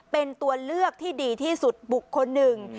เป็นตัวเลือกที่ดีที่สุดบุคคลหนึ่ง